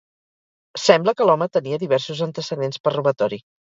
Sembla que l’home tenia diversos antecedents per robatori.